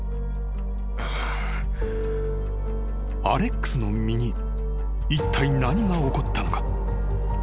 ［アレックスの身にいったい何が起こったのか？］